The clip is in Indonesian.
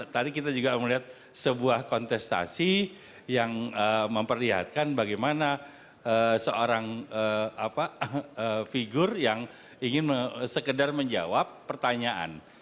tadi kita juga melihat sebuah kontestasi yang memperlihatkan bagaimana seorang figur yang ingin sekedar menjawab pertanyaan